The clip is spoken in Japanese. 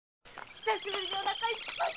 久しぶりにお腹がいっぱい。